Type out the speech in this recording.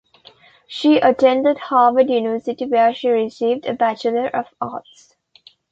She attended Harvard University, where she received a Bachelor of Arts.